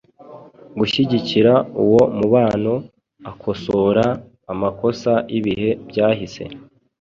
gushyigikira uwo mubano akosora amakosa y’ibihe byahise,